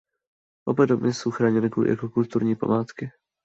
Oba domy jsou chráněny jako kulturní památky.